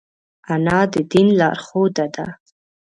انا د دین لارښوده ده